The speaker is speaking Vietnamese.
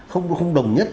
với lại nó không đồng nhất